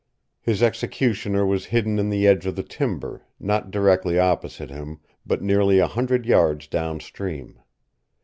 His executioner was hidden in the edge of the timber, not directly opposite him, but nearly a hundred yards down stream.